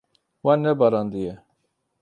Wan nebarandiye.